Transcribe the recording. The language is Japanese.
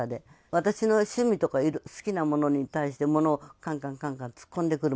私の趣味とか好きなものに対して、ものをかんかんかんかん突っ込んでくる。